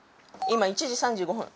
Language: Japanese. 今１時３５分。